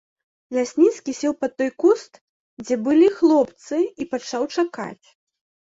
Лясніцкі сеў пад той куст, дзе былі хлопцы, і пачаў чакаць.